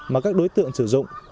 mà các đối tượng sử dụng